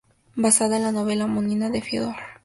Basada en la novela homónima de Fiódor Dostoievski.